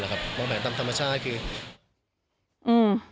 วางแผนตามธรรมชาติคือ